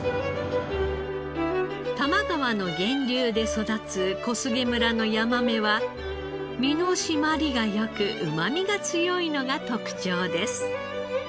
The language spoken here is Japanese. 多摩川の源流で育つ小菅村のヤマメは身の締まりが良くうまみが強いのが特長です。